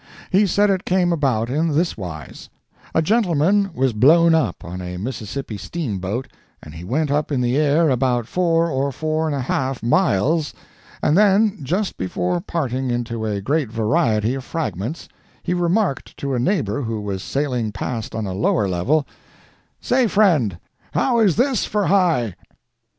He said it came about in this wise: A gentleman was blown up on a Mississippi steamboat, and he went up in the air about four or four and a half miles, and then, just before parting into a great variety of fragments, he remarked to a neighbor who was sailing past on a lower level, 'Say, friend, how is this for high?'"